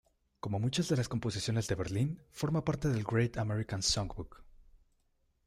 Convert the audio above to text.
Como muchas de las composiciones de Berlín, forma parte del Great American Songbook.